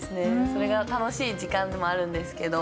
それが楽しい時間でもあるんですけど。